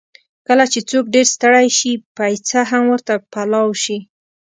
کله چې څوک ډېر ستړی شي، پېڅه هم ورته پلاو شي.